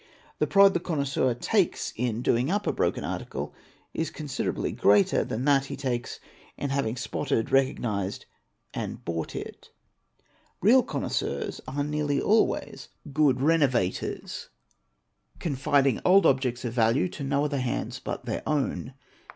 The pride the connoisseur takes in doing up a broken article is considerably greater than that he takes in having spotted, recognised, and bought it. Real connoisseurs are nearly always FRAUDS RELATING TO ANTIQUITIES, ETC. 831 _ good "renovators'', confiding old objects of value to no other hands but their own.